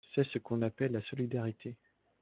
C’est ce qu’on appelle la solidarité.